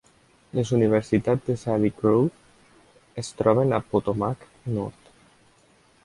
Les universitats de Shady Grove es troben a Potomac Nord.